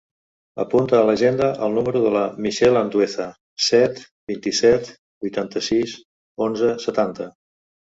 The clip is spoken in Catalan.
Apunta a l'agenda el número de la Michelle Andueza: set, vint-i-set, vuitanta-sis, onze, setanta.